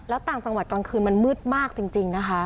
แล้วต่างจังหวัดกลางคืนมันมืดมากจริงนะคะ